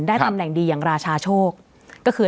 ซึ่งเป็นดาวตัวตนของเขาจะย้ายเข้าสู่เรือนการเงิน